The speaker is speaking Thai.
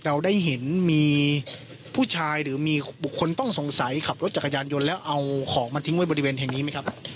เราได้เห็นมีผู้ชายหรือมีบุคคลต้องสงสัยขับรถจักรยานยนต์แล้วเอาของมาทิ้งไว้บริเวณแห่งนี้ไหมครับ